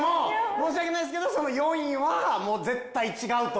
申し訳ないですけど４位はもう絶対違うと。